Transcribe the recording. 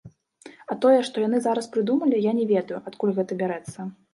А тое, што яны зараз прыдумалі, я не ведаю, адкуль гэта бярэцца.